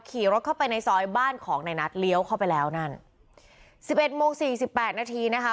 ขี่รถเข้าไปในซอยบ้านของนายนัทเลี้ยวเข้าไปแล้วนั่นสิบเอ็ดโมงสี่สิบแปดนาทีนะคะ